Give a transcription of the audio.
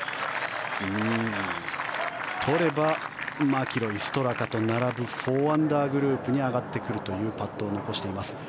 取ればマキロイ、ストラカと並ぶ４アンダーグループに上がってくるというパットを残しています。